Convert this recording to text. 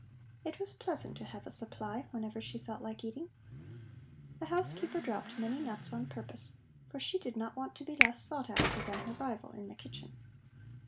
It was pleasant to have a supply whenever she felt like eating. The housekeeper dropped many nuts on purpose, for she did not want to be less sought after than her rival in the kitchen.